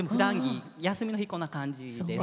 休みの日、こんな感じです。